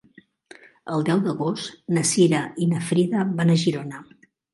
El deu d'agost na Cira i na Frida van a Girona.